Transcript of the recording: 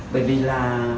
bởi vì là